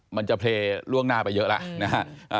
มันจะเพลย์ล่วงหน้าไปเยอะแล้วนะฮะ